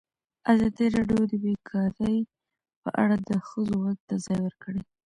ازادي راډیو د بیکاري په اړه د ښځو غږ ته ځای ورکړی.